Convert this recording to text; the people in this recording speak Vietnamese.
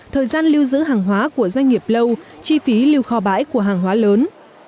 thời gian lưu giữ hàng hóa của doanh nghiệp lâu chi phí lưu kho bãi của hàng hóa lớn